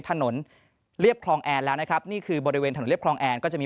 ถนนเรียบคลองแอนแล้วนะครับนี่คือบริเวณถนนเรียบคลองแอนก็จะมี